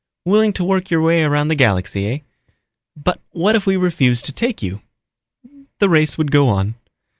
"Willing to work your way around the galaxy, eh? But what if we refused to take you?" "The race would go on.